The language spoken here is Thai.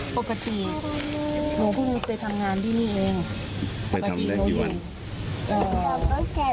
ปกติหนูเพิ่งจะได้ทำงานที่นี่เองไปทำได้กี่วันเอ่อ